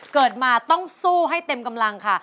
เกิดมาต้องสู้ให้เต็มกำลังค่ะ